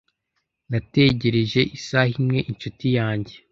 Nategereje isaha imwe inshuti yanjye.